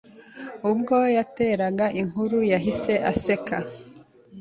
Ubwo yateraga inkuru yahise aseka